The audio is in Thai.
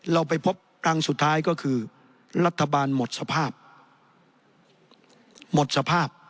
เราไปพบอังสุดท้ายก็คือรัฐบาลหมดสภาพ